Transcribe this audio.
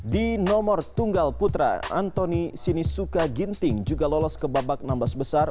di nomor tunggal putra antoni sinisuka ginting juga lolos ke babak enam belas besar